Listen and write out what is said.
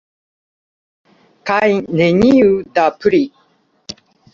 Kaj neniu da pli.